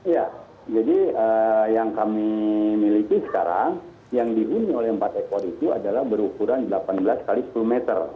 ya jadi yang kami miliki sekarang yang dihuni oleh empat ekor itu adalah berukuran delapan belas x sepuluh meter